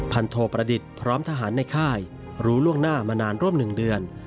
โทประดิษฐ์พร้อมทหารในค่ายรู้ล่วงหน้ามานานร่วม๑เดือน